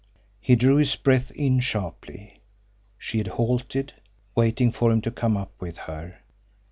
He drew his breath in sharply. She had halted waiting for him to come up with her.